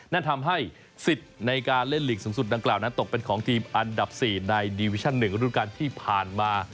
นั่นทำให้สิทธิ์ในการเล่นหลีกสูงสุดดังกล่าวนั้นตกเป็นของทีมอันดับ๔ในดิวิชั่น๑รูปการณ์ที่ผ่านมา